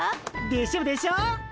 でしょでしょ。